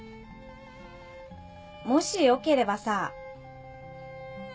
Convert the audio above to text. もしよければさ。